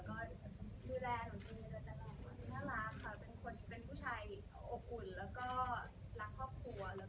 และที่สำคัญไปต้นดูแลเราได้มาตั้งแต่วันแรกจนถึงวันนี้